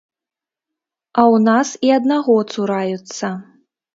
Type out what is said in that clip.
А ў нас і аднаго цураюцца.